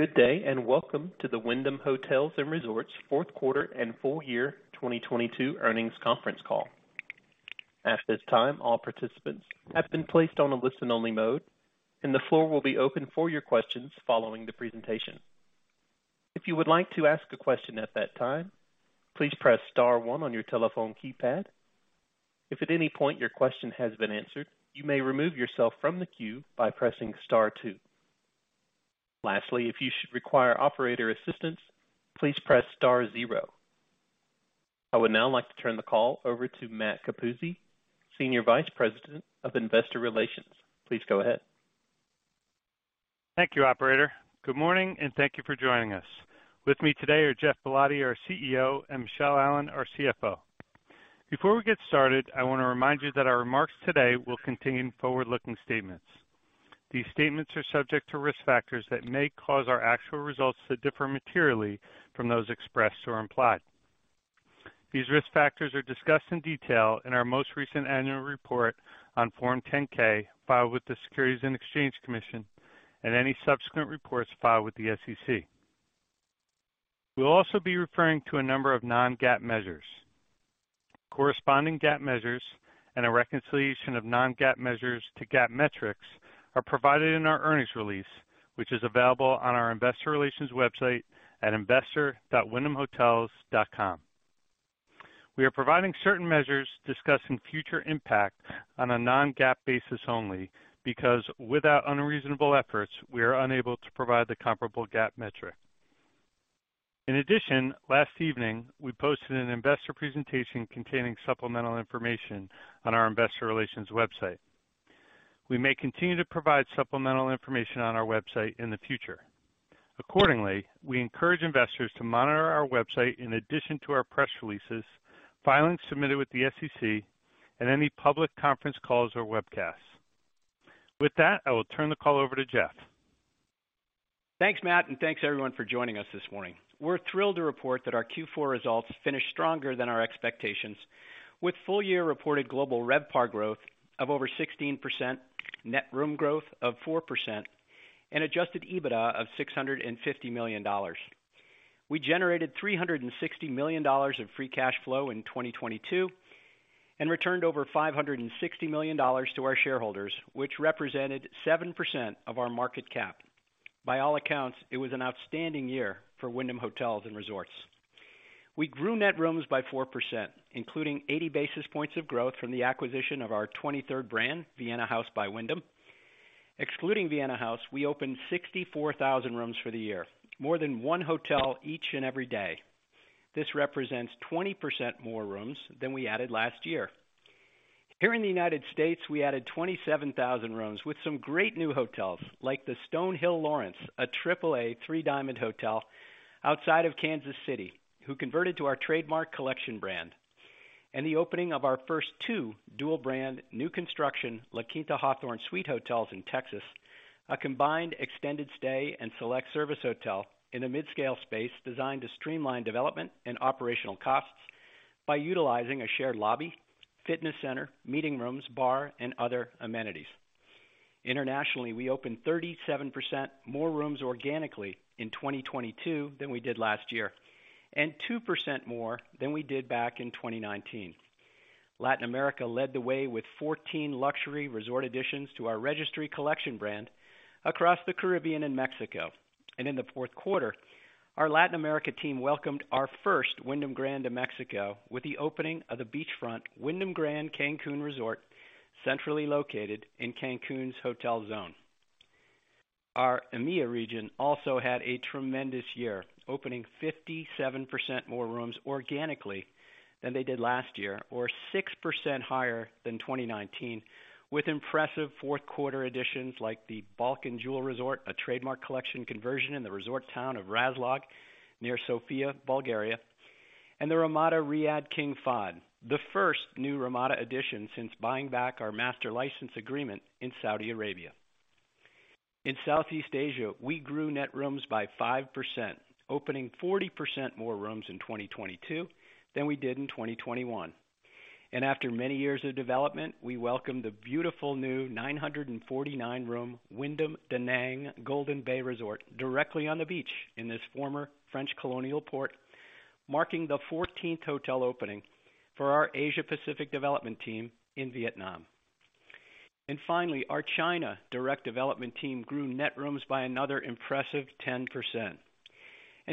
Good day, and welcome to the Wyndham Hotels & Resorts fourth quarter and full year 2022 earnings conference call. At this time, all participants have been placed on a listen-only mode, and the floor will be open for your questions following the presentation. If you would like to ask a question at that time, please press star one on your telephone keypad. If at any point your question has been answered, you may remove yourself from the queue by pressing star two. Lastly, if you should require operator assistance, please press star zero. I would now like to turn the call over to Matt Capuzzi, Senior Vice President of Investor Relations. Please go ahead. Thank you, operator. Good morning, and thank you for joining us. With me today are Geoff Ballotti, our CEO, and Michele Allen, our CFO. Before we get started, I wanna remind you that our remarks today will contain forward-looking statements. These statements are subject to risk factors that may cause our actual results to differ materially from those expressed or implied. These risk factors are discussed in detail in our most recent annual report on Form 10-K filed with the Securities and Exchange Commission and any subsequent reports filed with the SEC. We'll also be referring to a number of non-GAAP measures. Corresponding GAAP measures and a reconciliation of non-GAAP measures to GAAP metrics are provided in our earnings release, which is available on our investor relations website at investor.wyndhamhotels.com. We are providing certain measures discussing future impact on a non-GAAP basis only because, without unreasonable efforts, we are unable to provide the comparable GAAP metric. In addition, last evening, we posted an investor presentation containing supplemental information on our investor relations website. We may continue to provide supplemental information on our website in the future. Accordingly, we encourage investors to monitor our website in addition to our press releases, filings submitted with the SEC, and any public conference calls or webcasts. With that, I will turn the call over to Geoff. Thanks, Matt. Thanks, everyone, for joining us this morning. We're thrilled to report that our Q4 results finished stronger than our expectations with full year reported global RevPAR growth of over 16%, net room growth of 4%, and adjusted EBITDA of $650 million. We generated $360 million of free cash flow in 2022 and returned over $560 million to our shareholders, which represented 7% of our market cap. By all accounts, it was an outstanding year for Wyndham Hotels & Resorts. We grew net rooms by 4%, including 80 basis points of growth from the acquisition of our 23rd brand, Vienna House by Wyndham. Excluding Vienna House, we opened 64,000 rooms for the year, more than one hotel each and every day. This represents 20% more rooms than we added last year. Here in the United States, we added 27,000 rooms with some great new hotels like the StoneHill Lawrence, a AAA 3-Diamond hotel outside of Kansas City, who converted to our Trademark Collection brand, and the opening of our first two dual brand new construction La Quinta Hawthorn Suite Hotels in Texas, a combined extended stay and select service hotel in a midscale space designed to streamline development and operational costs by utilizing a shared lobby, fitness center, meeting rooms, bar, and other amenities. Internationally, we opened 37% more rooms organically in 2022 than we did last year, and 2% more than we did back in 2019. Latin America led the way with 14 luxury resort additions to our Registry Collection brand across the Caribbean and Mexico. In the fourth quarter, our Latin America team welcomed our first Wyndham Grand to Mexico with the opening of the beachfront Wyndham Grand Cancun Resort, centrally located in Cancun's Hotel Zone. Our EMEA region also had a tremendous year, opening 57% more rooms organically than they did last year or 6% higher than 2019, with impressive fourth quarter additions like The Balkan Jewel Resort, a Trademark Collection conversion in the resort town of Razlog near Sofia, Bulgaria, and the Ramada Riyadh King Fahd, the first new Ramada addition since buying back our master license agreement in Saudi Arabia. In Southeast Asia, we grew net rooms by 5%, opening 40% more rooms in 2022 than we did in 2021. After many years of development, we welcome the beautiful new 949 room Wyndham Danang Golden Bay Resort directly on the beach in this former French colonial port, marking the 14th hotel opening for our Asia Pacific development team in Vietnam. Finally, our China direct development team grew net rooms by another impressive 10%.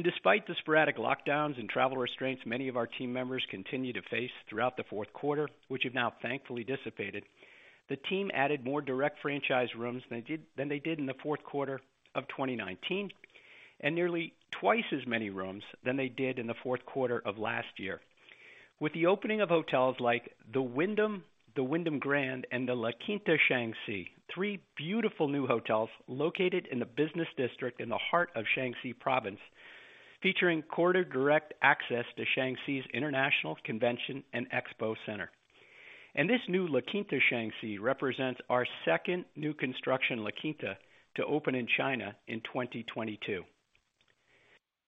Despite the sporadic lockdowns and travel restraints many of our team members continued to face throughout the fourth quarter, which have now thankfully dissipated, the team added more direct franchise rooms than they did in the fourth quarter of 2019, and nearly twice as many rooms than they did in the fourth quarter of last year. With the opening of hotels like the Wyndham, the Wyndham Grand, and the La Quinta Shanxi, three beautiful new hotels located in the business district in the heart of Shanxi Province, featuring quarter direct access to Shanxi's International Convention and Expo Center. This new La Quinta Shanxi represents our second new construction La Quinta to open in China in 2022.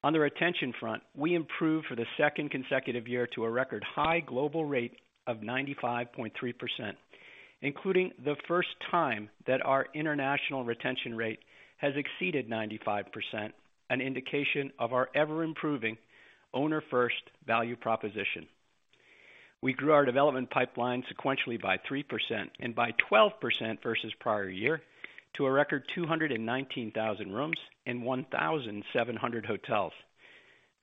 On the retention front, we improved for the second consecutive year to a record high global rate of 95.3%, including the first time that our international retention rate has exceeded 95%, an indication of our ever improving owner first value proposition. We grew our development pipeline sequentially by 3% and by 12% versus prior year to a record 219,000 rooms and 1,700 hotels.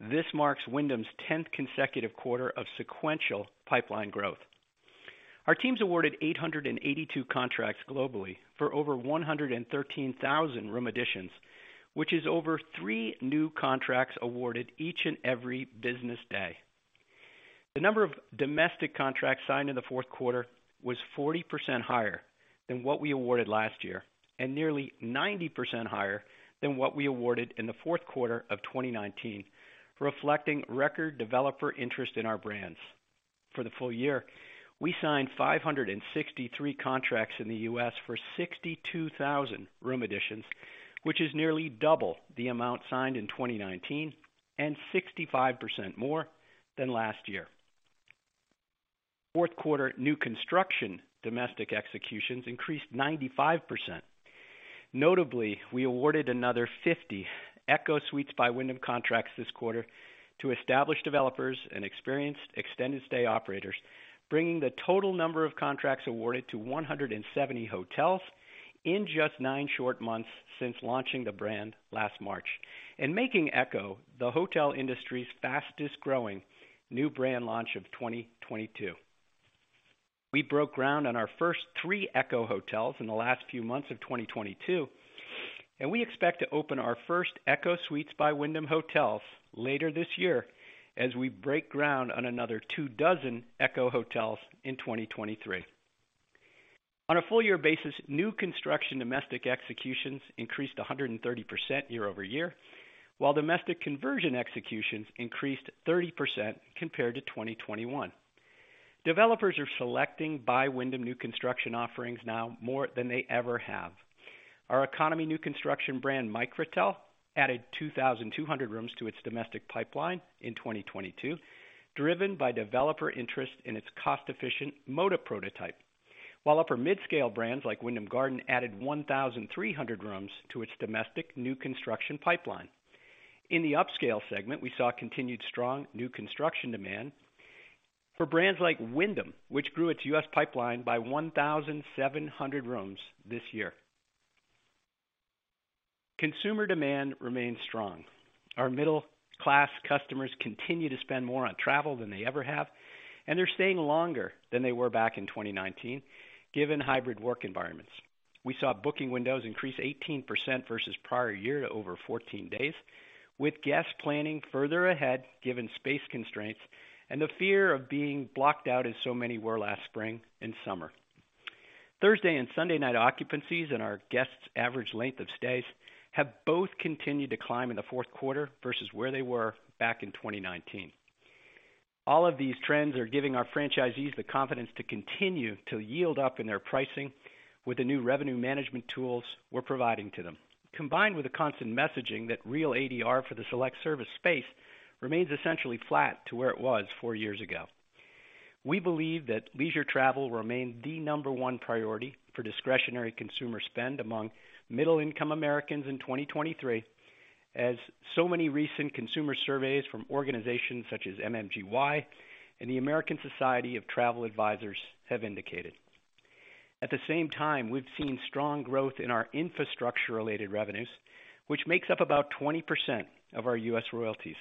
This marks Wyndham's tenth consecutive quarter of sequential pipeline growth. Our teams awarded 882 contracts globally for over 113,000 room additions, which is over three new contracts awarded each and every business day. The number of domestic contracts signed in the fourth quarter was 40% higher than what we awarded last year, nearly 90% higher than what we awarded in the fourth quarter of 2019, reflecting record developer interest in our brands. For the full year, we signed 563 contracts in The U.S. for 62,000 room additions, which is nearly double the amount signed in 2019 and 65% more than last year. Fourth quarter new construction domestic executions increased 95%. Notably, we awarded another 50 ECHO Suites by Wyndham contracts this quarter to establish developers and experienced extended stay operators, bringing the total number of contracts awarded to 170 hotels in just 9 short months since launching the brand last March, making Echo the hotel industry's fastest growing new brand launch of 2022. We broke ground on our first 3 Echo hotels in the last few months of 2022, we expect to open our first ECHO Suites by Wyndham hotels later this year as we break ground on another 24 Echo hotels in 2023. On a full year basis, new construction domestic executions increased 130% year-over-year, while domestic conversion executions increased 30% compared to 2021. Developers are selecting by Wyndham new construction offerings now more than they ever have. Our economy new construction brand, Microtel, added 2,200 rooms to its domestic pipeline in 2022, driven by developer interest in its cost efficient Moda prototype. Upper midscale brands like Wyndham Garden added 1,300 rooms to its domestic new construction pipeline. In the upscale segment, we saw continued strong new construction demand for brands like Wyndham, which grew its US pipeline by 1,700 rooms this year. Consumer demand remains strong. Our middle-class customers continue to spend more on travel than they ever have, and they're staying longer than they were back in 2019, given hybrid work environments. We saw booking windows increase 18% versus prior year to over 14 days, with guests planning further ahead given space constraints and the fear of being blocked out as so many were last spring and summer. Thursday and Sunday night occupancies and our guests average length of stays have both continued to climb in the fourth quarter versus where they were back in 2019. All of these trends are giving our franchisees the confidence to continue to yield up in their pricing with the new revenue management tools we're providing to them. Combined with the constant messaging that real ADR for the select service space remains essentially flat to where it was four years ago. We believe that leisure travel remains the number one priority for discretionary consumer spend among middle income Americans in 2023, as so many recent consumer surveys from organizations such as MMGY and the American Society of Travel Advisors have indicated. At the same time, we've seen strong growth in our infrastructure related revenues, which makes up about 20% of our US royalties.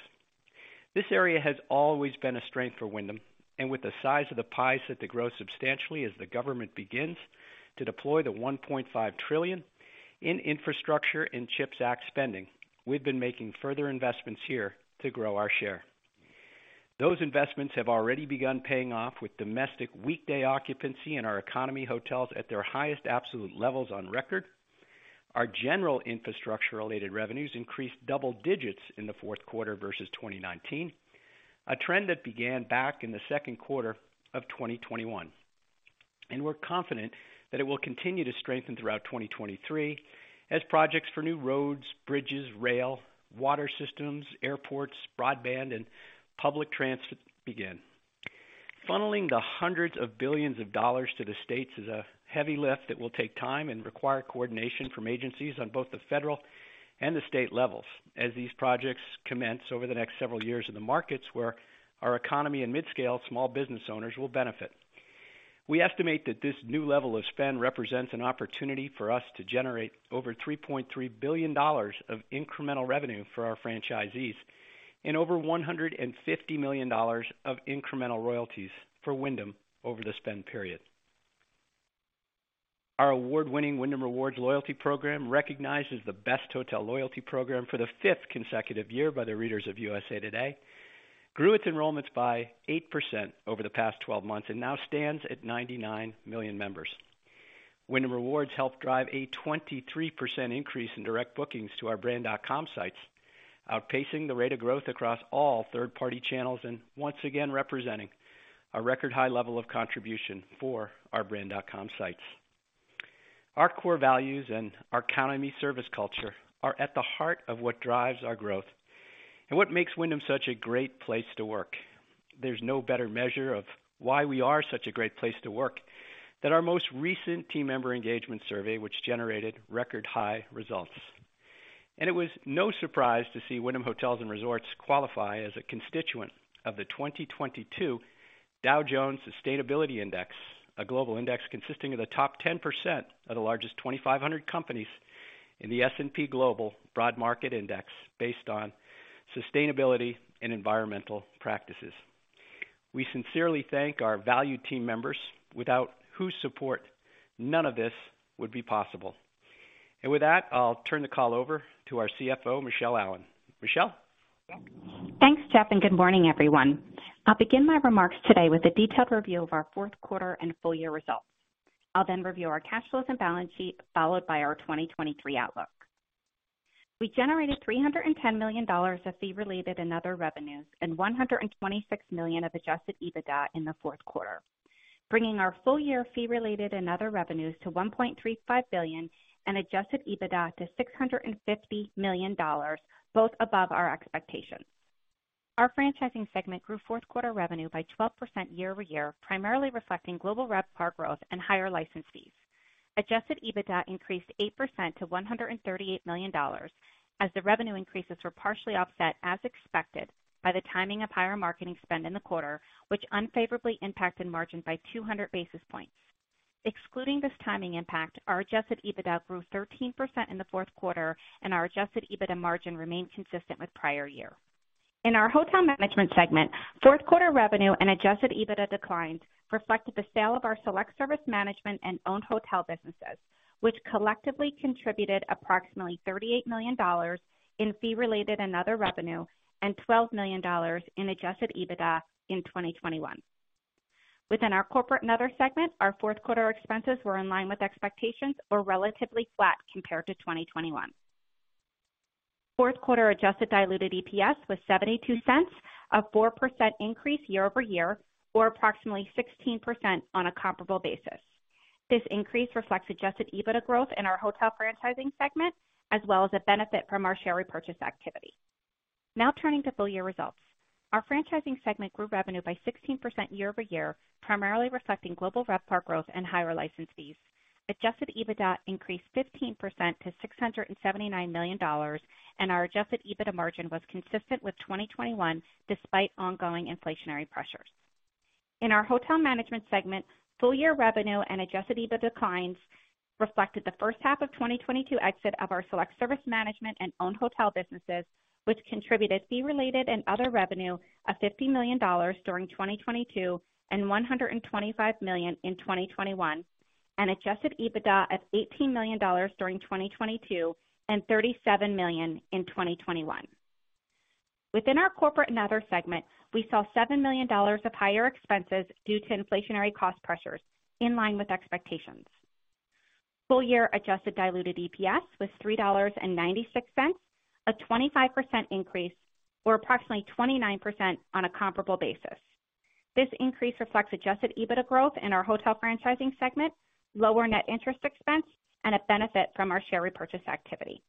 This area has always been a strength for Wyndham, and with the size of the pies set to grow substantially as the government begins to deploy the $1.5 trillion in infrastructure and CHIPS Act spending, we've been making further investments here to grow our share. Those investments have already begun paying off with domestic weekday occupancy in our economy hotels at their highest absolute levels on record. Our general infrastructure related revenues increased double digits in the fourth quarter versus 2019, a trend that began back in the second quarter of 2021. We're confident that it will continue to strengthen throughout 2023 as projects for new roads, bridges, rail, water systems, airports, broadband, and public transit begin. Funneling the hundreds of billions of dollars to the States is a heavy lift that will take time and require coordination from agencies on both the federal and the state levels as these projects commence over the next several years in the markets where our economy and mid-scale small business owners will benefit. We estimate that this new level of spend represents an opportunity for us to generate over $3.3 billion of incremental revenue for our franchisees and over $150 million of incremental royalties for Wyndham over the spend period. Our award-winning Wyndham Rewards loyalty program, recognized as the best hotel loyalty program for the fifth consecutive year by the readers of USA Today, grew its enrollments by 8% over the past 12 months and now stands at 99 million members. Wyndham Rewards helped drive a 23% increase in direct bookings to our Brand.com sites, outpacing the rate of growth across all third-party channels and once again representing a record high level of contribution for our Brand.com sites. Our core values and our economy service culture are at the heart of what drives our growth and what makes Wyndham such a great place to work. There's no better measure of why we are such a great place to work than our most recent team member engagement survey, which generated record high results. It was no surprise to see Wyndham Hotels & Resorts qualify as a constituent of the 2022 Dow Jones Sustainability Index, a global index consisting of the top 10% of the largest 2,500 companies in the S&P Global Broad Market Index based on sustainability and environmental practices. We sincerely thank our valued team members without whose support none of this would be possible. With that, I'll turn the call over to our CFO, Michele Allen. Michele? Thanks, Geoff. Good morning, everyone. I'll begin my remarks today with a detailed review of our fourth quarter and full year results. I'll then review our cash flows and balance sheet, followed by our 2023 outlook. We generated $310 million of fee-related and other revenues, and $126 million of adjusted EBITDA in the fourth quarter, bringing our full year fee-related and other revenues to $1.35 billion and adjusted EBITDA to $650 million, both above our expectations. Our franchising segment grew fourth quarter revenue by 12% year-over-year, primarily reflecting global RevPAR growth and higher license fees. Adjusted EBITDA increased 8% to $138 million as the revenue increases were partially offset, as expected, by the timing of higher marketing spend in the quarter, which unfavorably impacted margin by 200 basis points. Excluding this timing impact, our Adjusted EBITDA grew 13% in the fourth quarter and our Adjusted EBITDA margin remained consistent with prior year. In our hotel management segment, fourth quarter revenue and Adjusted EBITDA declines reflected the sale of our select service management and owned hotel businesses, which collectively contributed approximately $38 million in fee-related and other revenue, and $12 million in Adjusted EBITDA in 2021. Within our corporate and other segment, our fourth quarter expenses were in line with expectations or relatively flat compared to 2021. Fourth quarter adjusted diluted EPS was $0.72, a 4% increase year-over-year or approximately 16% on a comparable basis. This increase reflects adjusted EBITDA growth in our hotel franchising segment, as well as a benefit from our share repurchase activity. Turning to full year results. Our franchising segment grew revenue by 16% year-over-year, primarily reflecting global RevPAR growth and higher license fees. Adjusted EBITDA increased 15% to $679 million, and our adjusted EBITDA margin was consistent with 2021, despite ongoing inflationary pressures. In our hotel management segment, full year revenue and adjusted EBITDA declines reflected the first half of 2022 exit of our select service management and owned hotel businesses, which contributed fee-related and other revenue of $50 million during 2022, and $125 million in 2021, and adjusted EBITDA of $18 million during 2022, and $37 million in 2021. Within our corporate and other segment, we saw $7 million of higher expenses due to inflationary cost pressures in line with expectations. Full year adjusted diluted EPS was $3.96, a 25% increase or approximately 29% on a comparable basis. This increase reflects adjusted EBITDA growth in our hotel franchising segment, lower net interest expense, and a benefit from our share repurchase activity.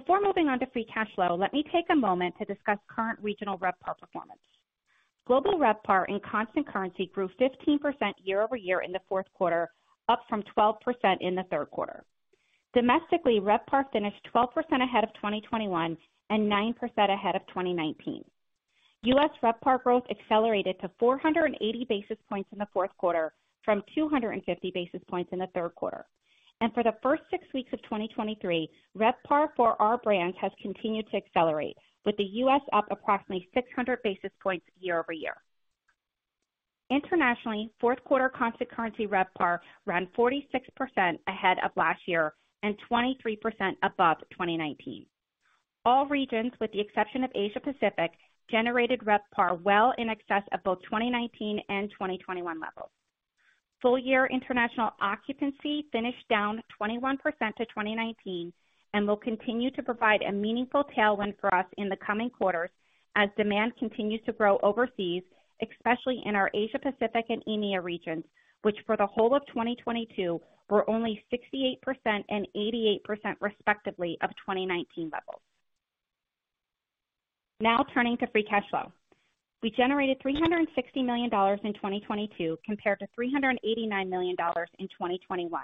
Before moving on to free cash flow, let me take a moment to discuss current regional RevPAR performance. Global RevPAR in constant currency grew 15% year-over-year in the fourth quarter, up from 12% in the third quarter. Domestically, RevPAR finished 12% ahead of 2021 and 9% ahead of 2019. US RevPAR growth accelerated to 480 basis points in the fourth quarter from 250 basis points in the third quarter. For the first six weeks of 2023, RevPAR for our brands has continued to accelerate, with The U.S. up approximately 600 basis points year-over-year. Internationally, fourth quarter constant currency RevPAR ran 46% ahead of last year and 23% above 2019. All regions, with the exception of Asia-Pacific, generated RevPAR well in excess of both 2019 and 2021 levels. Full year international occupancy finished down 21% to 2019 and will continue to provide a meaningful tailwind for us in the coming quarters as demand continues to grow overseas, especially in our Asia-Pacific and EMEA regions, which for the whole of 2022 were only 68% and 88%, respectively, of 2019 levels. Turning to free cash flow. We generated $360 million in 2022 compared to $389 million in 2021,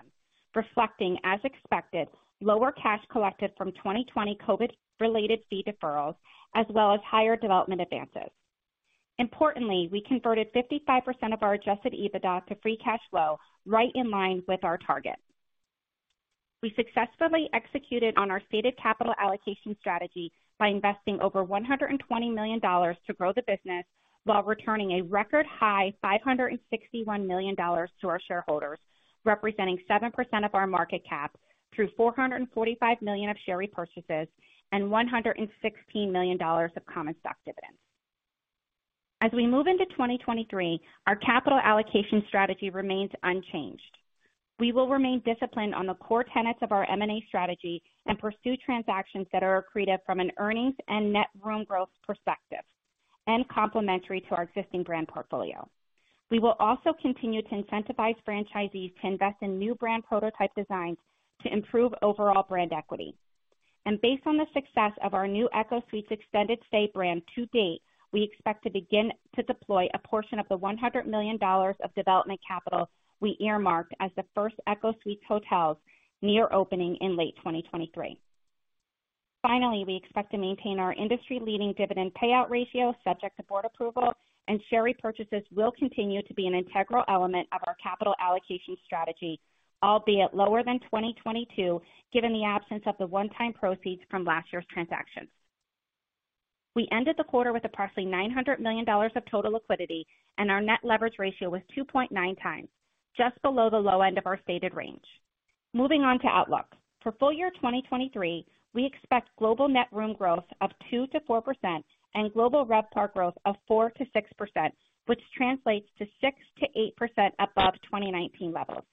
reflecting, as expected, lower cash collected from 2020 COVID related fee deferrals as well as higher development advances. Importantly, we converted 55% of our adjusted EBITDA to free cash flow right in line with our target. We successfully executed on our stated capital allocation strategy by investing over $120 million to grow the business while returning a record high $561 million to our shareholders, representing 7% of our market cap through $445 million of share repurchases and $116 million of common stock dividends. As we move into 2023, our capital allocation strategy remains unchanged. We will remain disciplined on the core tenets of our M&A strategy and pursue transactions that are accretive from an earnings and net room growth perspective. Complementary to our existing brand portfolio. We will also continue to incentivize franchisees to invest in new brand prototype designs to improve overall brand equity. Based on the success of our new ECHO Suites extended stay brand to date, we expect to begin to deploy a portion of the $100 million of development capital we earmarked as the first ECHO Suites hotels near opening in late 2023. Finally, we expect to maintain our industry-leading dividend payout ratio subject to board approval, and share repurchases will continue to be an integral element of our capital allocation strategy, albeit lower than 2022, given the absence of the one-time proceeds from last year's transactions. We ended the quarter with approximately $900 million of total liquidity, and our net leverage ratio was 2.9 times, just below the low end of our stated range. Moving on to outlook. For full year 2023, we expect global net room growth of 2%-4% and global RevPAR growth of 4%-6%, which translates to 6%-8% above 2019 levels.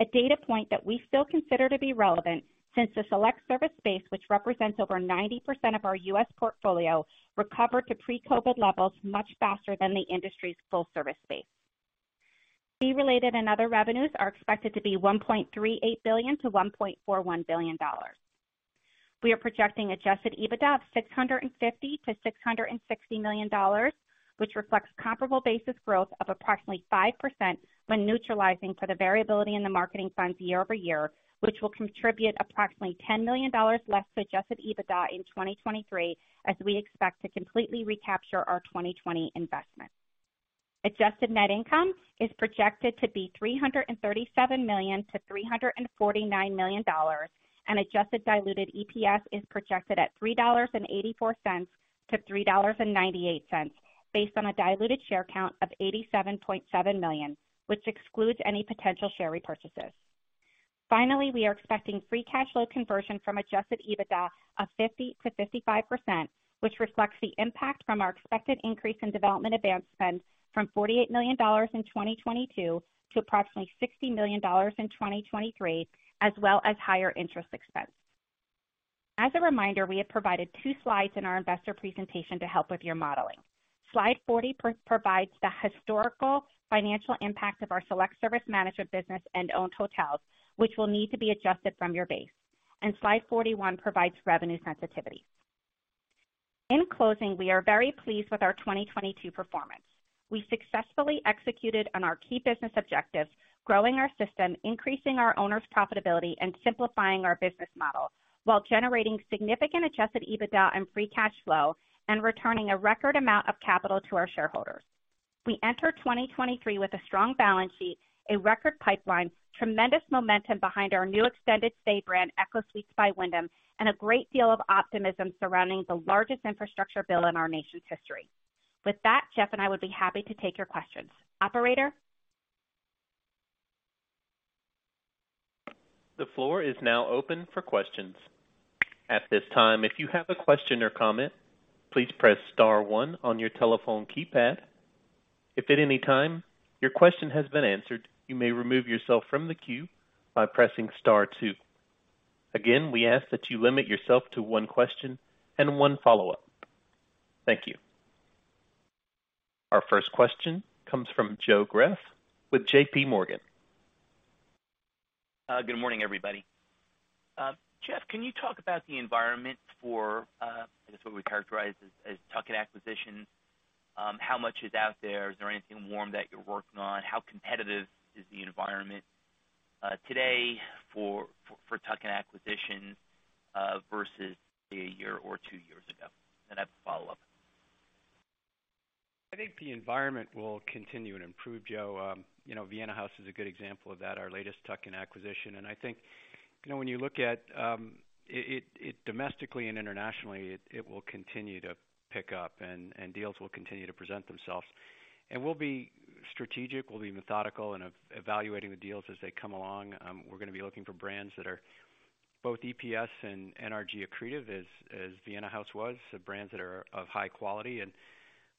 A data point that we still consider to be relevant since the select service space, which represents over 90% of our U.S. portfolio, recovered to pre-COVID levels much faster than the industry's full service space. Fee-related and other revenues are expected to be $1.38 billion-$1.41 billion. We are projecting adjusted EBITDA of $650 million-$660 million, which reflects comparable basis growth of approximately 5% when neutralizing for the variability in the marketing funds year-over-year, which will contribute approximately $10 million less to adjusted EBITDA in 2023, as we expect to completely recapture our 2020 investment. Adjusted net income is projected to be $337 million-$349 million, and adjusted diluted EPS is projected at $3.84-$3.98, based on a diluted share count of 87.7 million, which excludes any potential share repurchases. Finally, we are expecting free cash flow conversion from adjusted EBITDA of 50%-55%, which reflects the impact from our expected increase in development advance spend from $48 million in 2022 to approximately $60 million in 2023, as well as higher interest expense. As a reminder, we have provided two slides in our investor presentation to help with your modeling. Slide 40 provides the historical financial impact of our select service management business and owned hotels, which will need to be adjusted from your base. Slide 41 provides revenue sensitivity. In closing, we are very pleased with our 2022 performance. We successfully executed on our key business objectives, growing our system, increasing our owners' profitability, and simplifying our business model while generating significant adjusted EBITDA and free cash flow and returning a record amount of capital to our shareholders. We enter 2023 with a strong balance sheet, a record pipeline, tremendous momentum behind our new extended stay brand, ECHO Suites Extended Stay by Wyndham, and a great deal of optimism surrounding the largest infrastructure bill in our nation's history. With that, Geoff and I would be happy to take your questions. Operator? The floor is now open for questions. At this time, if you have a question or comment, please press star one on your telephone keypad. If at any time your question has been answered, you may remove yourself from the queue by pressing star two. Again, we ask that you limit yourself to one question and one follow-up. Thank you. Our first question comes from Joe Greff with JPMorgan. Good morning, everybody. Geoff, can you talk about the environment for, I guess what we characterize as tuck-in acquisitions? How much is out there? Is there anything warm that you're working on? How competitive is the environment today for tuck-in acquisitions, versus a year or two years ago? I have a follow-up. I think the environment will continue to improve, Joe. you know, Vienna House is a good example of that, our latest tuck-in acquisition. I think, you know, when you look at it domestically and internationally, it will continue to pick up and deals will continue to present themselves. We'll be strategic, we'll be methodical in evaluating the deals as they come along. We're gonna be looking for brands that are both EPS and NRG accretive as Vienna House was, so brands that are of high quality and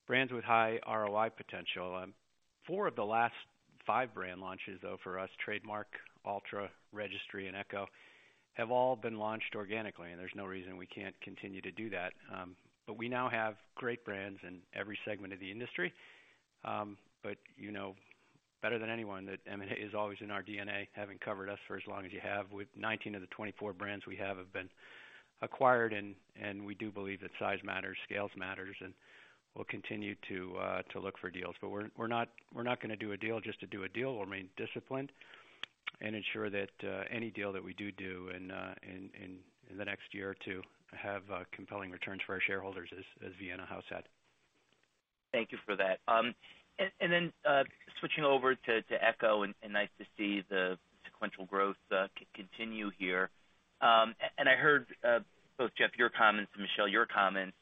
brands with high ROI potential. four of the last five brand launches, though, for us, Trademark, Alltra, Registry, and ECHO, have all been launched organically, and there's no reason we can't continue to do that. We now have great brands in every segment of the industry. You know better than anyone that M&A is always in our DNA, having covered us for as long as you have. With 19 of the 24 brands we have been acquired, and we do believe that size matters, scales matters, and we'll continue to look for deals. We're not gonna do a deal just to do a deal. We'll remain disciplined and ensure that any deal that we do in the next year or two have compelling returns for our shareholders as Vienna House had. Thank you for that. Then switching over to ECHO, nice to see the sequential growth continue here. I heard both Geoff, your comments, and Michele, your comments.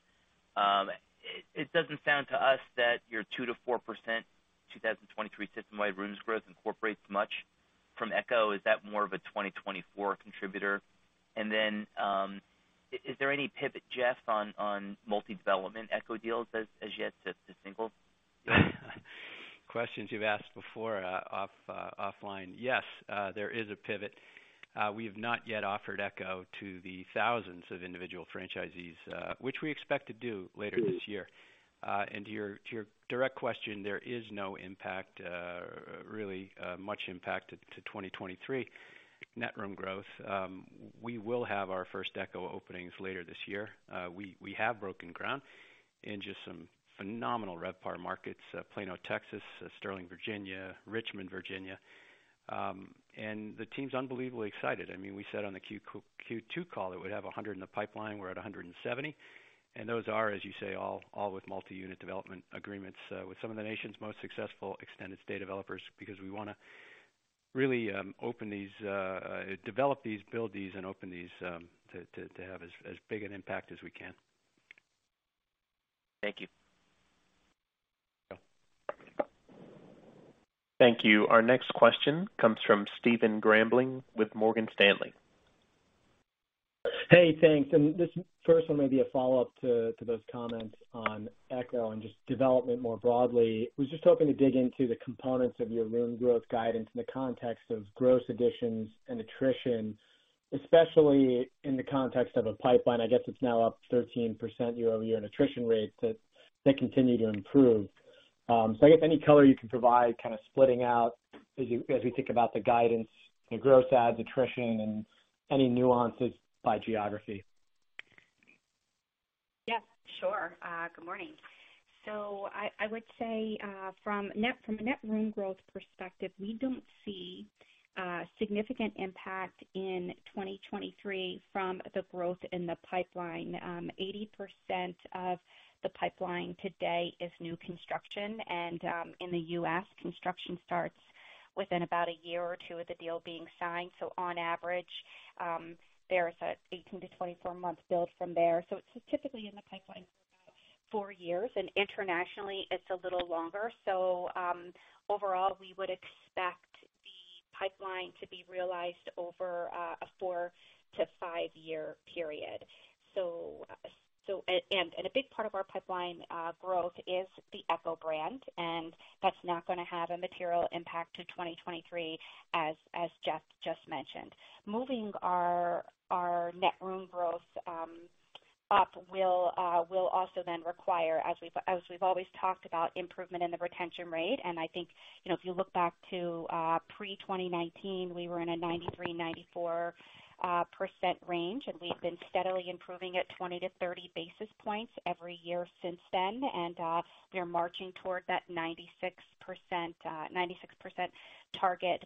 It doesn't sound to us that your 2%-4% 2023 system-wide rooms growth incorporates much from ECHO. Is that more of a 2024 contributor? Then is there any pivot, Geoff, on multi-development ECHO deals as yet to single? Questions you've asked before, off-offline. There is a pivot. We have not yet offered ECHO to the thousands of individual franchisees, which we expect to do later this year. To your direct question, there is no impact, really, much impact to 2023 net room growth. We will have our first ECHO openings later this year. We have broken ground in just some phenomenal RevPAR markets, Plano, Texas, Sterling, Virginia, Richmond, Virginia. The team's unbelievably excited. I mean, we said on the Q2 call that we'd have 100 in the pipeline. We're at 170. Those are, as you say, all with multi-unit development agreements, with some of the nation's most successful extended stay developers, because we wanna really open these, develop these, build these, and open these, to have as big an impact as we can. Thank you. You're welcome. Thank you. Our next question comes from Stephen Grambling with Morgan Stanley. Hey, thanks. This first one may be a follow-up to those comments on ECHO and just development more broadly. Was just hoping to dig into the components of your room growth guidance in the context of gross additions and attrition, especially in the context of a pipeline. I guess it's now up 13% year-over-year in attrition rates that continue to improve. I guess any color you can provide kind of splitting out as we think about the guidance and gross adds, attrition, and any nuances by geography. Yes, sure. good morning. I would say, from a net room growth perspective, we don't see significant impact in 2023 from the growth in the pipeline. 80% of the pipeline today is new construction. In The U.S., construction starts within about a year or two of the deal being signed. On average, there is a 18-24 month build from there. It's typically in the pipeline for about four years, and internationally it's a little longer. Overall, we would expect the pipeline to be realized over a four to five year period. A big part of our pipeline growth is the ECHO brand, and that's not gonna have a material impact to 2023, as Geoff just mentioned. Moving our net room growth up will also then require, as we've always talked about, improvement in the retention rate. I think, you know, if you look back to pre-2019, we were in a 93, 94% range, we've been steadily improving at 20 basis points to 30 basis points every year since then. We are marching toward that 96% target.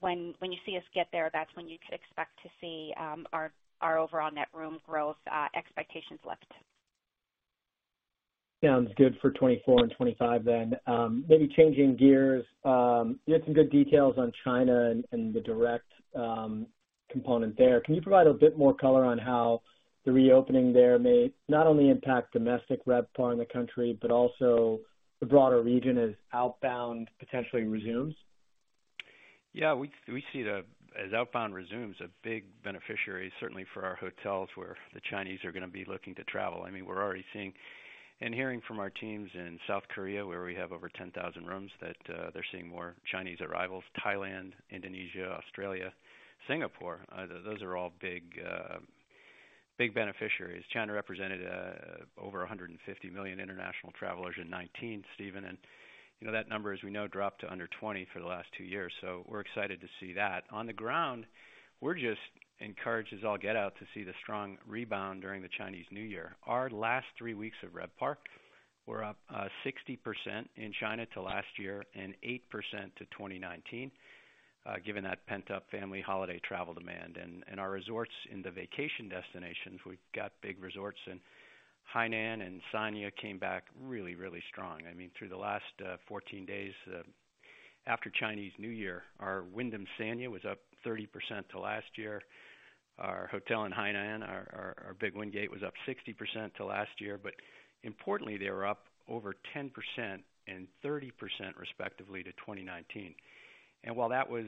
When you see us get there, that's when you could expect to see our overall net room growth expectations lift. Sounds good for 2024 and 2025 then. Maybe changing gears. You had some good details on China and the direct component there. Can you provide a bit more color on how the reopening there may not only impact domestic RevPAR in the country, but also the broader region as outbound potentially resumes? Yeah. We see the, as outbound resumes, a big beneficiary, certainly for our hotels, where the Chinese are gonna be looking to travel. I mean, we're already seeing and hearing from our teams in South Korea, where we have over 10,000 rooms that they're seeing more Chinese arrivals. Thailand, Indonesia, Australia, Singapore, those are all big, big beneficiaries. China represented over 150 million international travelers in 2019, Stephen. you know, that number, as we know, dropped to under 20 for the last two years. We're excited to see that. On the ground, we're just encouraged as all get out to see the strong rebound during the Chinese New Year. Our last three weeks of RevPAR were up 60% in China to last year and 8% to 2019, given that pent-up family holiday travel demand. Our resorts in the vacation destinations, we've got big resorts in Hainan and Sanya came back really, really strong. Through the last 14 days after Chinese New Year, our Wyndham Sanya was up 30% to last year. Our hotel in Hainan, our Big Wingate was up 60% to last year. Importantly, they were up over 10% and 30% respectively to 2019. While that was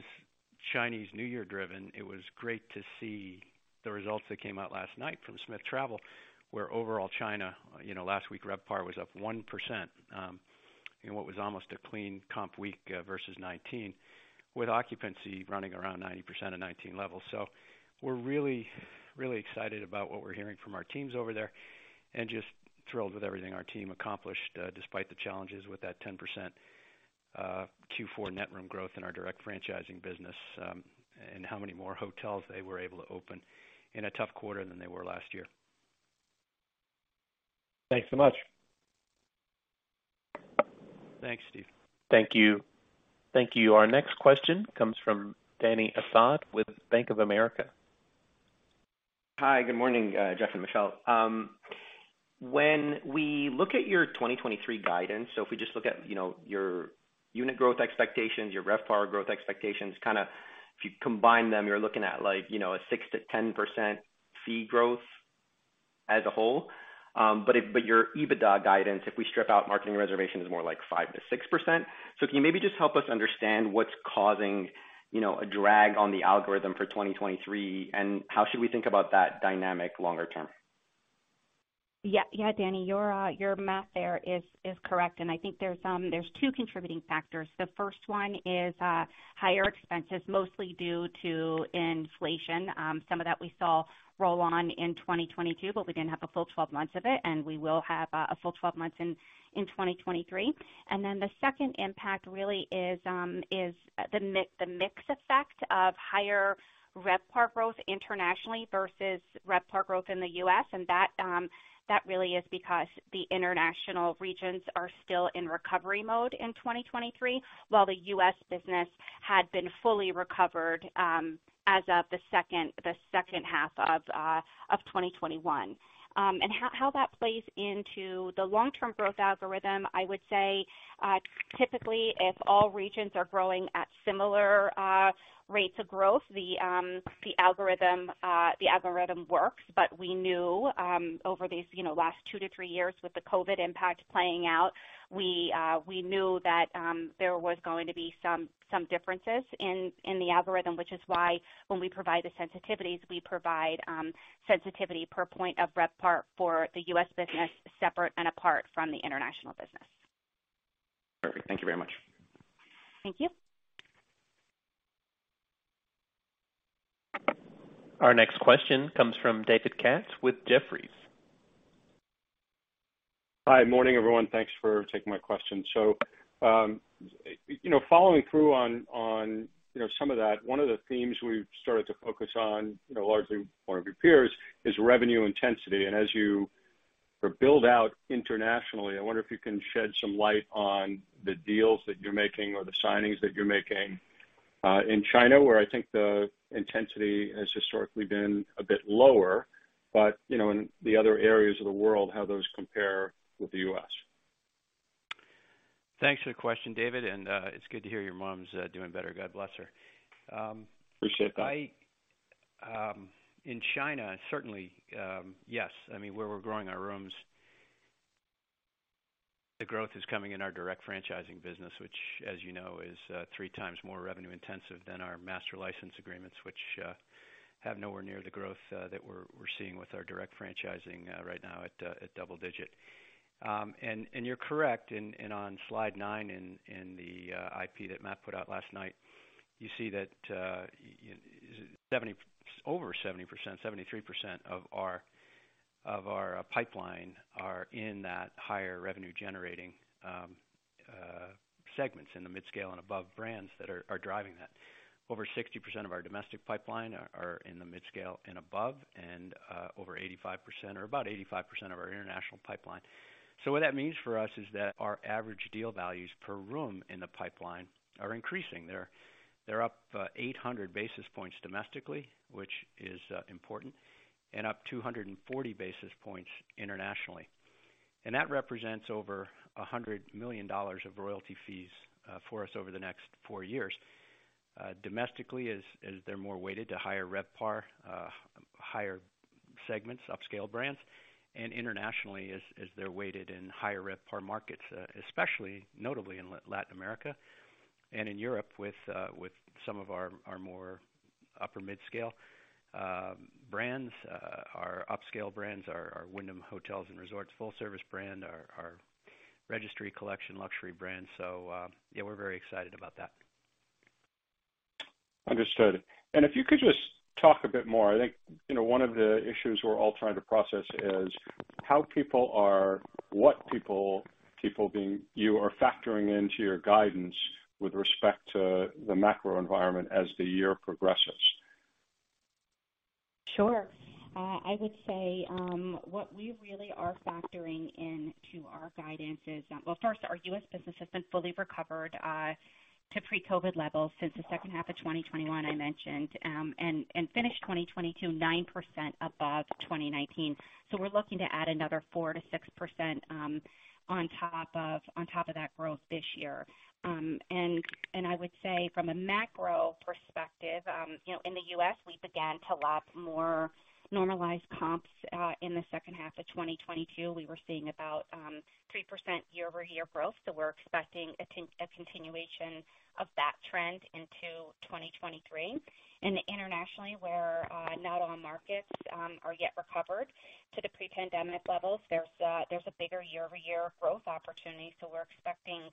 Chinese New Year driven, it was great to see the results that came out last night from Smith Travel, where overall China last week RevPAR was up 1% in what was almost a clean comp week versus 2019, with occupancy running around 90% of 2019 levels. We're really, really excited about what we're hearing from our teams over there and just thrilled with everything our team accomplished, despite the challenges with that 10% Q4 net room growth in our direct franchising business, and how many more hotels they were able to open in a tough quarter than they were last year. Thanks so much. Thanks, Stephen. Thank you. Thank you. Our next question comes from Dany Asad with Bank of America. Hi, good morning, Geoff and Michele. When we look at your 2023 guidance, so if we just look at, you know, your unit growth expectations, your RevPAR growth expectations, kinda if you combine them, you're looking at like, you know, a 6%-10% fee growth as a whole. Your EBITDA guidance, if we strip out marketing reservations, is more like 5%-6%. Can you maybe just help us understand what's causing, you know, a drag on the algorithm for 2023, and how should we think about that dynamic longer term? Yeah. Yeah, Dany, your math there is correct. I think there's two contributing factors. The first one is higher expenses, mostly due to inflation. Some of that we saw roll on in 2022, but we didn't have a full 12 months of it, and we will have a full 12 months in 2023. The second impact really is the mix effect of higher RevPAR growth internationally versus RevPAR growth in The U.S. That really is because the international regions are still in recovery mode in 2023, while The U.S. business had been fully recovered as of the second half of 2021. How that plays into the long-term growth algorithm, I would say, typically, if all regions are growing at similar rates of growth, the algorithm works. We knew, over these, you know, last two to three years with the COVID impact playing out, we knew that there was going to be some differences in the algorithm, which is why when we provide the sensitivities, we provide sensitivity per point of RevPAR for The U.S. business separate and apart from the international business. Perfect. Thank you very much. Thank you. Our next question comes from David Katz with Jefferies. Hi. Morning, everyone. Thanks for taking my question. You know, following through on, you know, some of that, one of the themes we've started to focus on, you know, largely one of your peers, is revenue intensity. As you build out internationally, I wonder if you can shed some light on the deals that you're making or the signings that you're making in China, where I think the intensity has historically been a bit lower, but, you know, in the other areas of the world, how those compare with The U.S. Thanks for the question, David, and it's good to hear your mom's doing better. God bless her. Appreciate that. In China, certainly, yes. I mean, where we're growing our rooms, the growth is coming in our direct franchising business, which as you know, is three times more revenue intensive than our master license agreements, which have nowhere near the growth that we're seeing with our direct franchising right now at double-digit. You're correct in, and on slide 9 in the IP that Matt put out last night, you see that over 70%, 73% of our pipeline are in that higher revenue generating segments in the midscale and above brands that are driving that. Over 60% of our domestic pipeline are in the midscale and above, and over 85% or about 85% of our international pipeline. What that means for us is that our average deal values per room in the pipeline are increasing. They're up 800 basis points domestically, which is important, and up 240 basis points internationally. That represents over $100 million of royalty fees for us over the next four years. Domestically, as they're more weighted to higher RevPAR, higher segments, upscale brands, and internationally as they're weighted in higher RevPAR markets, especially notably in Latin America and in Europe with some of our more upper midscale brands, our upscale brands, our Wyndham Hotels & Resorts full service brand, our Registry Collection luxury brands. Yeah, we're very excited about that. Understood. If you could just talk a bit more. I think, you know, one of the issues we're all trying to process is what people being you, are factoring into your guidance with respect to the macro environment as the year progresses. Sure. I would say, what we really are factoring into our guidance is, well, first, our US business has been fully recovered to pre-COVID levels since the second half of 2021, I mentioned, and finished 2022 9% above 2019. We're looking to add another 4%-6% on top of that growth this year. And I would say from a macro perspective, you know, in The U.S,, we began to lap more normalized comps in the second half of 2022. We were seeing about 3% year-over-year growth. We're expecting a continuation of that trend into 2023. Internationally, where not all markets are yet recovered to the pre-pandemic levels, there's a bigger year-over-year growth opportunity. We're expecting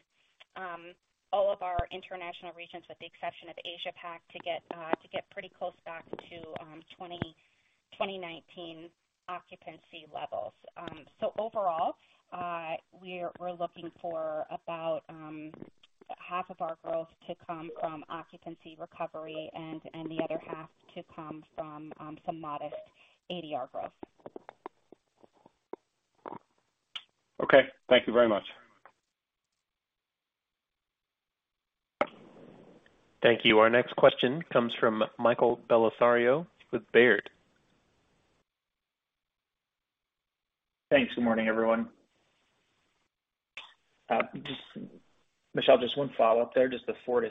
all of our international regions, with the exception of Asia Pac, to get pretty close back to 2019 occupancy levels. Overall, we're looking for about half of our growth to come from occupancy recovery and the other half to come from some modest ADR growth. Okay. Thank you very much. Thank you. Our next question comes from Michael Bellisario with Baird. Thanks. Good morning, everyone. Michele, just one follow-up there. Just the 4%-6%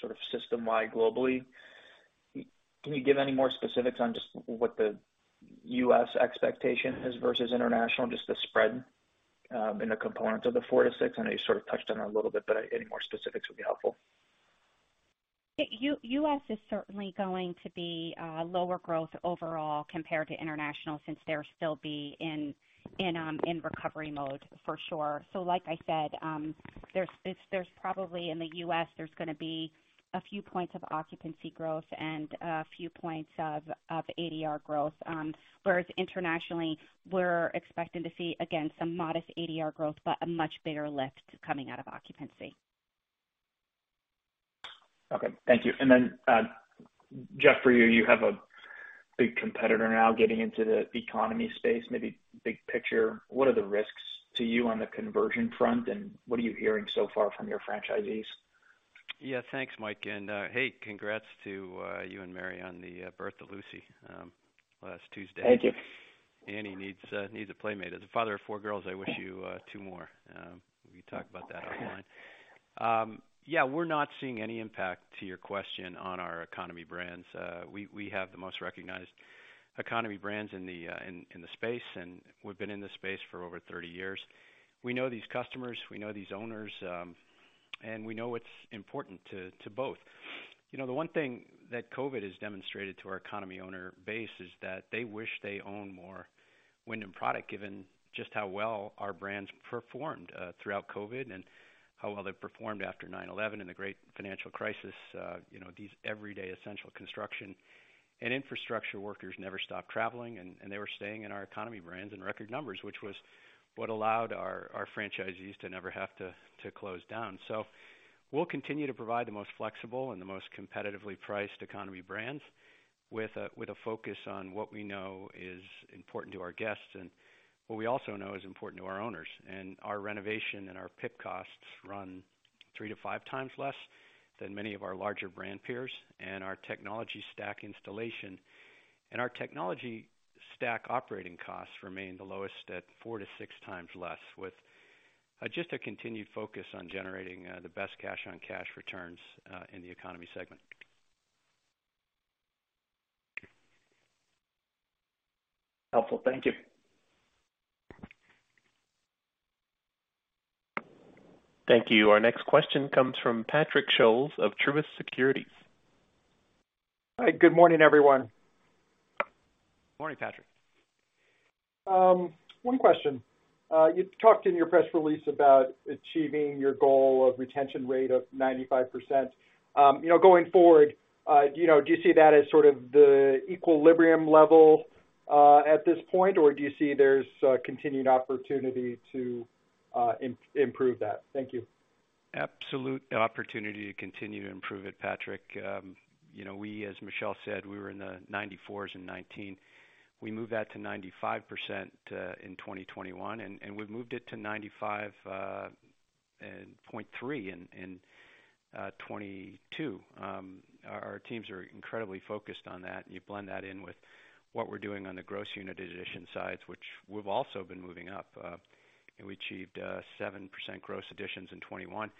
sort of system-wide globally. Can you give any more specifics on just what The U.S. expectation is versus international, just the spread, and the components of the 4%-6%? I know you sort of touched on it a little bit, but any more specifics would be helpful. US is certainly going to be lower growth overall compared to international since they'll still be in recovery mode for sure. Like I said, there's probably in the US, there's gonna be a few points of occupancy growth and a few points of ADR growth. Whereas internationally, we're expecting to see, again, some modest ADR growth, but a much bigger lift coming out of occupancy. Okay. Thank you. Jeff, for you have a big competitor now getting into the economy space. Maybe big picture, what are the risks to you on the conversion front, and what are you hearing so far from your franchisees? Yeah. Thanks, Mike, and hey, congrats to you and Mary on the birth of Lucy last Tuesday. Thank you. Annie needs a playmate. As a father of 4 girls, I wish you 2 more. We can talk about that offline. Yeah, we're not seeing any impact to your question on our economy brands. We have the most recognized economy brands in the space, and we've been in this space for over 30 years. We know these customers, we know these owners, and we know what's important to both. You know, the one thing that COVID has demonstrated to our economy owner base is that they wish they own more Wyndham product, given just how well our brands performed throughout COVID and how well they performed after 9/11 and the great financial crisis. You know, these everyday essential construction and infrastructure workers never stopped traveling, and they were staying in our economy brands in record numbers, which was what allowed our franchisees to never have to close down. We'll continue to provide the most flexible and the most competitively priced economy brands with a focus on what we know is important to our guests and what we also know is important to our owners. Our renovation and our PIP costs run 3-5 times less than many of our larger brand peers. Our technology stack installation and our technology stack operating costs remain the lowest at 4-6 times less, with just a continued focus on generating the best cash-on-cash returns in the economy segment. Helpful. Thank you. Thank you. Our next question comes from Patrick Scholes of Truist Securities. Hi. Good morning, everyone. Morning, Patrick. One question. You talked in your press release about achieving your goal of retention rate of 95%. You know, going forward, you know, do you see that as sort of the equilibrium level at this point, or do you see there's continued opportunity to improve that? Thank you. Absolute opportunity to continue to improve it, Patrick. You know, we, as Michele said, we were in the 94s in 2019. We moved that to 95% in 2021, and we've moved it to 95.3 in 2022. Our teams are incredibly focused on that. You blend that in with what we're doing on the gross unit addition sides, which we've also been moving up. We achieved 7% gross additions in 2021.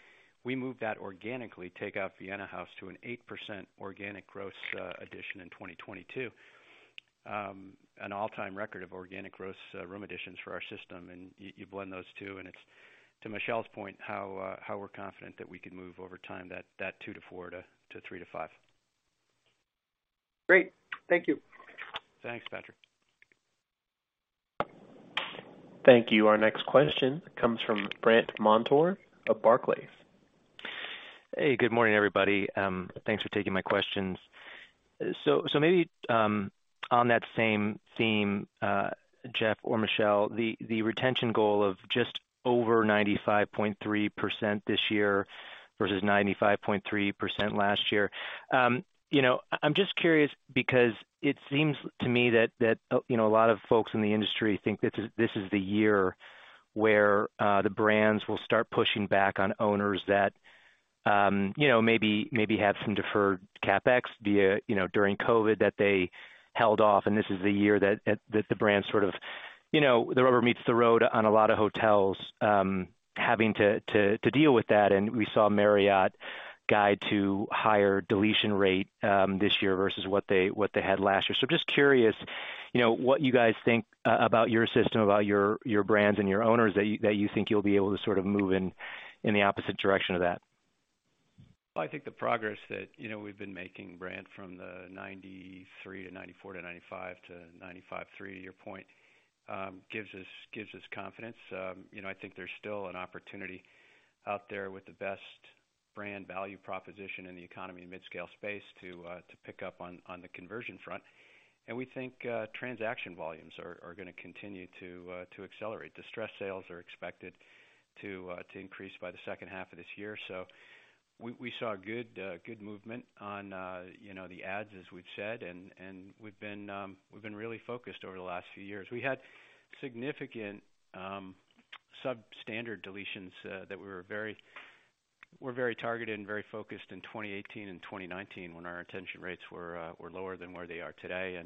We moved that organically, take out Vienna House, to an 8% organic gross addition in 2022, an all-time record of organic gross room additions for our system. You blend those two, and it's, to Michele's point, how we're confident that we can move over time that 2%-4% to 3%-5%. Great. Thank you. Thanks, Patrick. Thank you. Our next question comes from Brandt Montour of Barclays. Hey, good morning, everybody. Thanks for taking my questions. So maybe on that same theme, Geoff or Michele, the retention goal of just over 95.3% this year versus 95.3% last year. You know, I'm just curious because it seems to me that, you know, a lot of folks in the industry think this is the year where the brands will start pushing back on owners that, you know, maybe have some deferred CapEx via during COVID that they held off, and this is the year that the brands sort of, you know, the rubber meets the road on a lot of hotels having to deal with that. We saw Marriott guide to higher deletion rate this year versus what they had last year. Just curious, you know, what you guys think about your system, about your brands and your owners that you think you'll be able to sort of move in the opposite direction of that? I think the progress that, you know, we've been making, Brent, from the 93 to94 to 95 to 95.3, to your point, gives us confidence. You know, I think there's still an opportunity out there with the best brand value proposition in the economy and midscale space to pick up on the conversion front. We think transaction volumes are gonna continue to accelerate. Distressed sales are expected to increase by the second half of this year. We saw good movement on, you know, the adds, as we've said, and we've been really focused over the last few years. We had significant substandard deletions that were very targeted and very focused in 2018 and 2019 when our retention rates were lower than where they are today.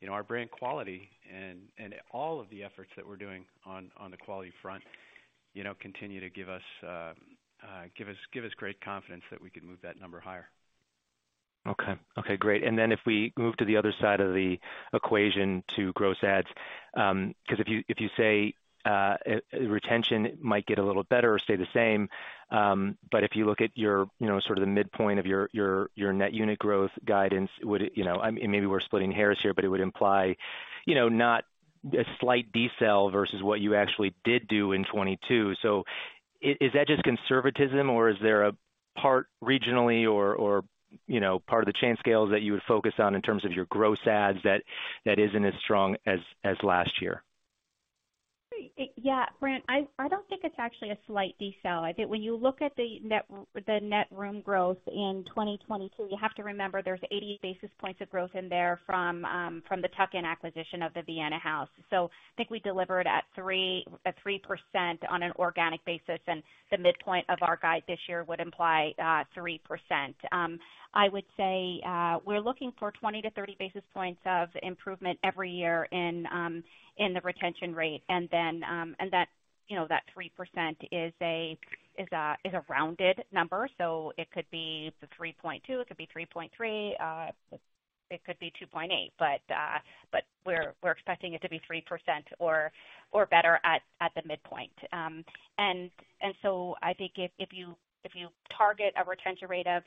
You know, our brand quality and all of the efforts that we're doing on the quality front, you know, continue to give us great confidence that we can move that number higher. Okay. Okay, great. If we move to the other side of the equation to gross adds, 'cause if you, if you say, retention might get a little better or stay the same, if you look at your, you know, sort of the midpoint of your net unit growth guidance, would it, you know, maybe we're splitting hairs here, but it would imply, you know, not a slight decel versus what you actually did do in 22. Is that just conservatism or is there a part regionally or, you know, part of the chain scales that you would focus on in terms of your gross adds that isn't as strong as last year? Yeah, Brandt, I don't think it's actually a slight decel. I think when you look at the net, the net room growth in 2022, you have to remember there's 80 basis points of growth in there from the tuck-in acquisition of the Vienna House. I think we delivered at 3% on an organic basis, and the midpoint of our guide this year would imply 3%. I would say we're looking for 20 basis points-30 basis points of improvement every year in the retention rate. You know, that 3% is a rounded number, so it could be 3.2, it could be 3.3, it could be 2.8. We're expecting it to be 3% or better at the midpoint. I think if you target a retention rate of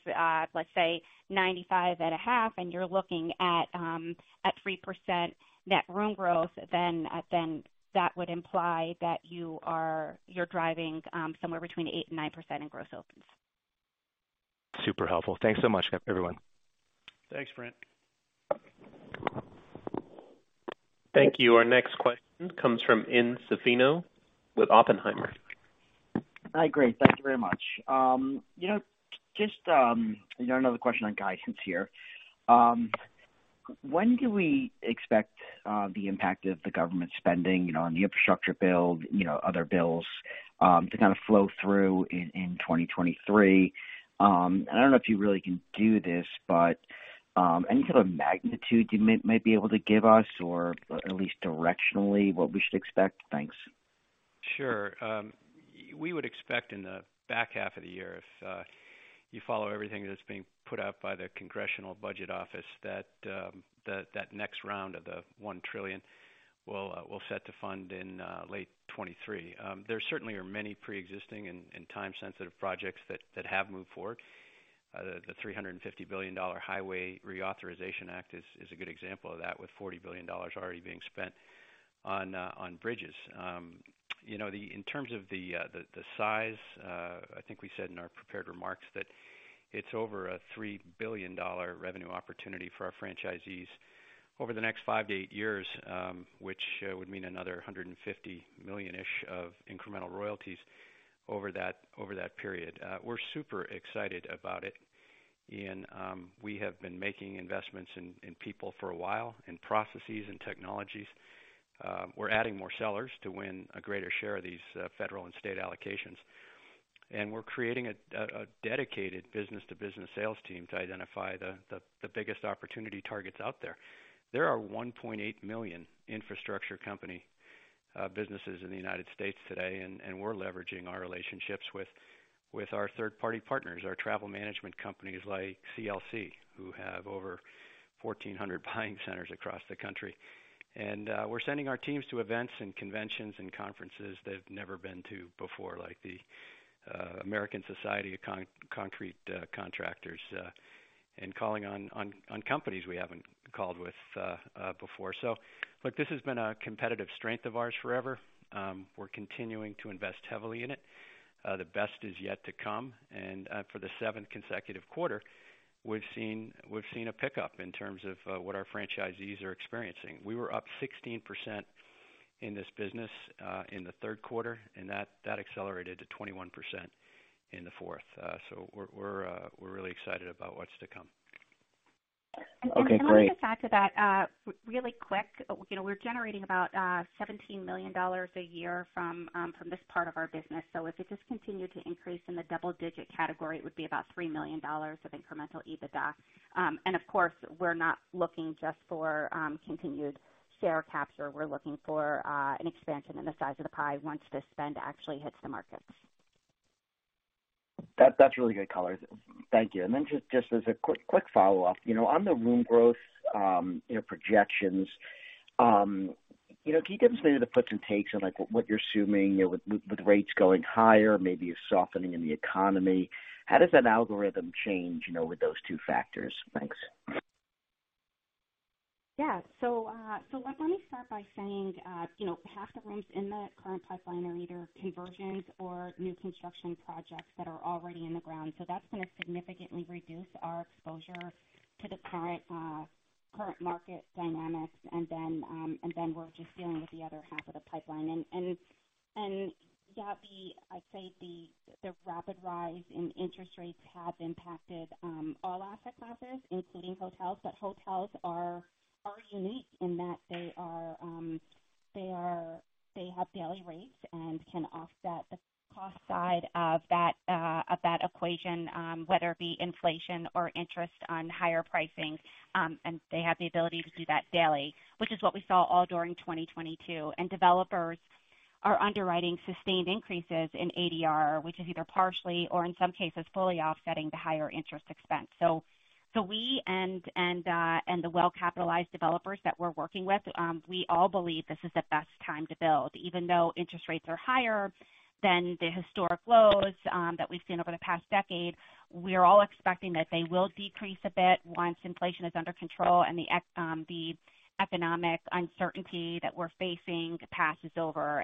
95.5%, and you're looking at 3% net room growth, then that would imply that you're driving somewhere between 8%-9% in gross opens. Super helpful. Thanks so much, everyone. Thanks, Brandt. Thank you. Our next question comes from Ian Zaffino with Oppenheimer. Hi. Great. Thank you very much. You know, just, you know, another question on guidance here. When do we expect the impact of the government spending, you know, on the infrastructure build, you know, other bills, to kind of flow through in 2023? I don't know if you really can do this, but any sort of magnitude you may be able to give us or at least directionally what we should expect? Thanks. Sure. We would expect in the back half of the year, if you follow everything that's being put out by the Congressional Budget Office, that next round of the $1 trillion will set to fund in late 2023. There certainly are many pre-existing and time-sensitive projects that have moved forward. The $350 billion Highway Reauthorization Act is a good example of that, with $40 billion already being spent on bridges. You know, in terms of the size, I think we said in our prepared remarks that it's over a $3 billion revenue opportunity for our franchisees over the next five to eight years, which would mean another $150 million-ish of incremental royalties over that period. We're super excited about it, Ian. We have been making investments in people for a while, in processes and technologies. We're adding more sellers to win a greater share of these federal and state allocations. We're creating a dedicated business-to-business sales team to identify the biggest opportunity targets out there. There are 1.8 million infrastructure company businesses in the United States today, we're leveraging our relationships with our third-party partners, our travel management companies like CLC Lodging, who have over 1,400 buying centers across the country. We're sending our teams to events and conventions and conferences they've never been to before, like the American Society of Concrete Contractors, and calling on companies we haven't called with before. So look, this has been a competitive strength of ours forever. Um, we're continuing to invest heavily in it. Uh, the best is yet to come. And, uh, for the seventh consecutive quarter, we've seen, we've seen a pickup in terms of, uh, what our franchisees are experiencing. We were up sixteen percent in this business, uh, in the third quarter, and that, that accelerated to twenty-one percent in the fourth. Uh, so we're, we're, uh, we're really excited about what's to come. Okay, great. Let me just add to that, really quick. You know, we're generating about $17 million a year from this part of our business. If it does continue to increase in the double-digit category, it would be about $3 million of incremental EBITDA. Of course, we're not looking just for continued share capture. We're looking for an expansion in the size of the pie once the spend actually hits the markets. That's really good color. Thank you. Just as a quick follow-up, you know, on the room growth, you know, projections, you know, can you give us maybe the puts and takes on, like, what you're assuming, you know, with rates going higher, maybe a softening in the economy? How does that algorithm change, you know, with those two factors? Thanks. Yeah. Look, let me start by saying, you know, half the rooms in the current pipeline are either conversions or new construction projects that are already in the ground. That's gonna significantly reduce our exposure to the current market dynamics. Then, and then we're just dealing with the other half of the pipeline. And yeah, I'd say the rapid rise in interest rates have impacted all asset classes, including hotels. But hotels are unique in that they are, they have daily rates and can offset the cost side of that equation, whether it be inflation or interest on higher pricing. And they have the ability to do that daily, which is what we saw all during 2022. Developers. Our underwriting sustained increases in ADR, which is either partially or in some cases fully offsetting the higher interest expense. We and the well-capitalized developers that we're working with, we all believe this is the best time to build, even though interest rates are higher than the historic lows that we've seen over the past decade, we are all expecting that they will decrease a bit once inflation is under control and the economic uncertainty that we're facing passes over.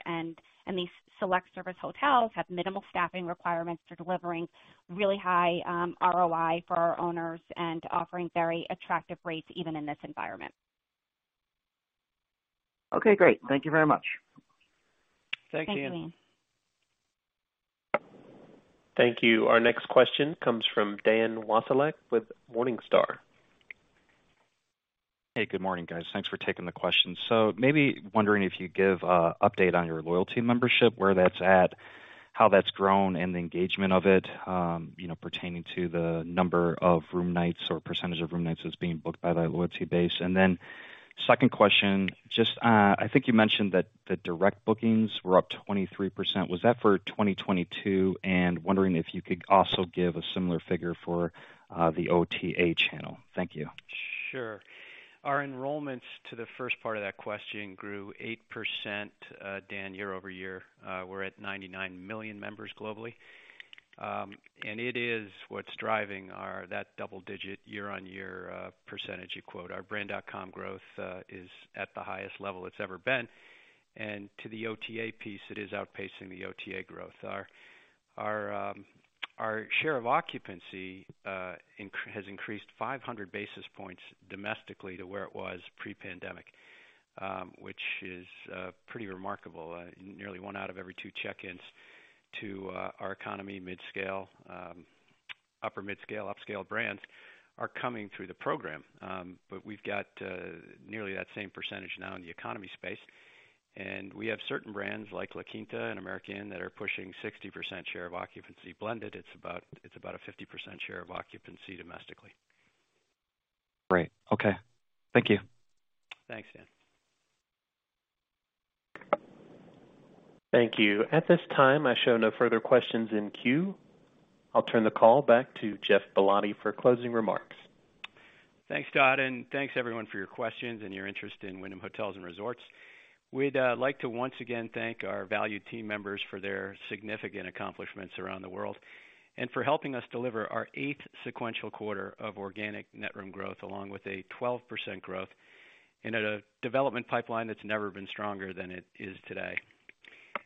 These select service hotels have minimal staffing requirements for delivering really high ROI for our owners and offering very attractive rates even in this environment. Okay, great. Thank you very much. Thank you. Thank you. Our next question comes from Dan Wasiolek with Morningstar. Hey, good morning, guys. Thanks for taking the question. Maybe wondering if you'd give a update on your loyalty membership, where that's at, how that's grown, and the engagement of it, you know, pertaining to the number of room nights or percentage of room nights that's being booked by that loyalty base. Second question, just, I think you mentioned that the direct bookings were up 23%. Was that for 2022? Wondering if you could also give a similar figure for the OTA channel. Thank you. Sure. Our enrollments to the first part of that question grew 8%, Dan, year over year. We're at 99 million members globally. And it is what's driving that double-digit year-on-year percentage you quote. Our Brand.com growth is at the highest level it's ever been. To the OTA piece, it is outpacing the OTA growth. Our share of occupancy has increased 500 basis points domestically to where it was pre-pandemic, which is pretty remarkable. Nearly one out of every two check-ins to our economy mid-scale, upper mid-scale, upscale brands are coming through the program. We've got nearly that same percentage now in the economy space, and we have certain brands like La Quinta and AmericInn that are pushing 60% share of occupancy. Blended, it's about a 50% share of occupancy domestically. Great. Okay. Thank you. Thanks, Dan. Thank you. At this time, I show no further questions in queue. I'll turn the call back to Geoff Ballotti for closing remarks. Thanks, Todd, and thanks everyone for your questions and your interest in Wyndham Hotels & Resorts. We'd like to once again thank our valued team members for their significant accomplishments around the world and for helping us deliver our eighth sequential quarter of organic net room growth, along with a 12% growth and at a development pipeline that's never been stronger than it is today.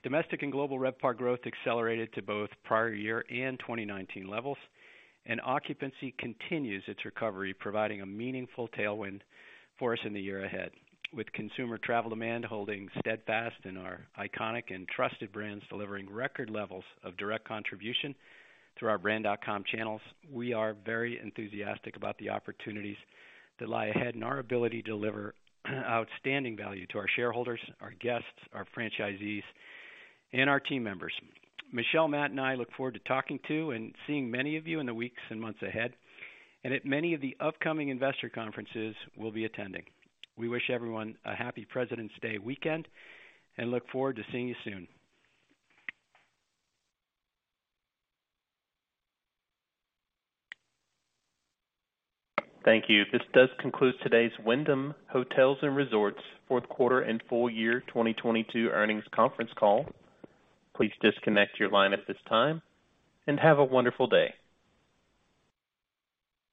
Domestic and global RevPAR growth accelerated to both prior year and 2019 levels, and occupancy continues its recovery, providing a meaningful tailwind for us in the year ahead. With consumer travel demand holding steadfast in our iconic and trusted brands, delivering record levels of direct contribution through our Brand.com channels, we are very enthusiastic about the opportunities that lie ahead and our ability to deliver outstanding value to our shareholders, our guests, our franchisees, and our team members. Michele, Matt, and I look forward to talking to and seeing many of you in the weeks and months ahead, and at many of the upcoming investor conferences we'll be attending. We wish everyone a happy President's Day weekend and look forward to seeing you soon. Thank you. This does conclude today's Wyndham Hotels & Resorts fourth quarter and full year 2022 earnings conference call. Please disconnect your line at this time, and have a wonderful day.